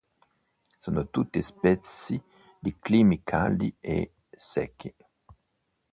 Sono tutte specie di climi caldi e secchi.